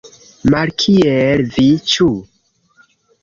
Malkiel vi, ĉu?